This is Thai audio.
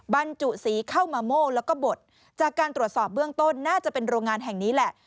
บรรจุสีข้าวมะโม่แล้วก็บดจากการตรวจสอบเบื้องต้นน่าจะเป็นโรงงานแห่งนี้แหละ